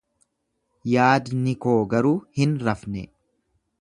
Yaadni koo garuu hin rafne.